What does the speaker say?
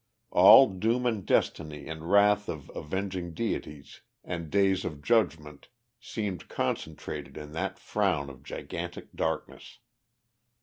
All doom and destiny and wrath of avenging deities and days of judgment seemed concentrated in that frown of gigantic darkness.